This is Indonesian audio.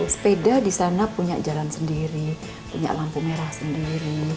sepeda di sana punya jalan sendiri punya lampu merah sendiri